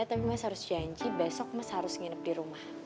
tapi mas harus janji besok mas harus nginep di rumah